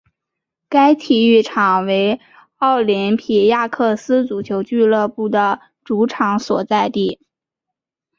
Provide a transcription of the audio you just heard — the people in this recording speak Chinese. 该体育场为奥林匹亚克斯足球俱乐部的主场所在地。